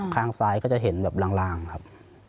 ข้างซ้ายก็จะเห็นแบบลางครับ